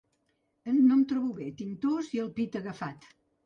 No em trobo bé, tinc tos i el pit agafat.